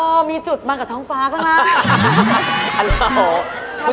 โอ้มีจุดมากกระเท้าฟ้าก่อนหนิ